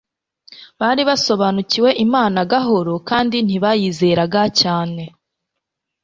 bari basobaukiwe imana gahoro kandi ntibayizeraga cyane